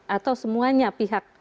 atau semuanya pihak